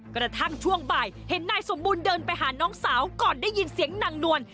กระทั่งช่วงบ่ายเห็นนายสมบูรณ์เดินไปหาน้องสาวก่อนได้ยินเสียงนางนวล